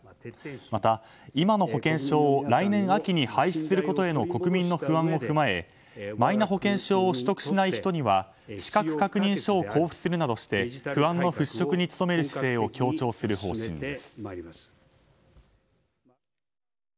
また、今の保険証を来年秋に廃止することへの国民の不安を踏まえマイナ保険証を取得しない人には資格確認書を交付するなどして不安の払拭に努める姿勢を強調する方針です。